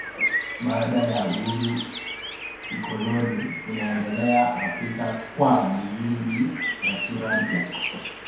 Baada ya uhuru ukoloni unaendelea Afrika kwa misingi na sura mpya.